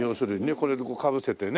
これかぶせてね。